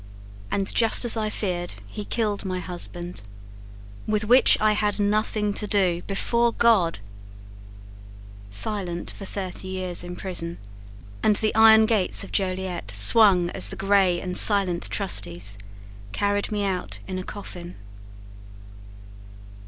And just as I feared, he killed my husband; With which I had nothing to do, before God Silent for thirty years in prison And the iron gates of Joliet Swung as the gray and silent trusties Carried me out in a coffin.